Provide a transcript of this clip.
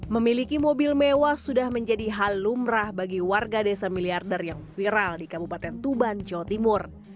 memiliki mobil mewah sudah menjadi hal lumrah bagi warga desa miliarder yang viral di kabupaten tuban jawa timur